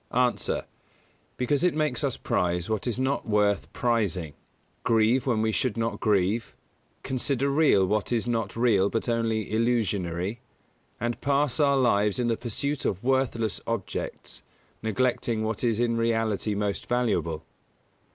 _ A. Because it makes us prize what is not worth prizing, grieve when we should not grieve, consider real what is not real but only illusionary, and pass our lives in the pursuit of worthless objects, neglecting what is in reality most valuable.